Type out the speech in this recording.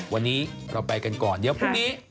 วันนี้เราไปกันก่อนเดี๋ยวพรุ่งนี้